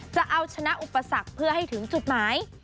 จะเอาชนะอุปสรรคเพื่อให้ถึงจุดหมาย